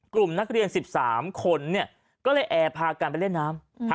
กลุ่มนักเรียน๑๓คนเนี่ยก็เลยแอบพากันไปเล่นน้ำ